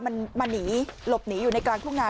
มันมาหนีหลบหนีอยู่ในกลางทุ่งนา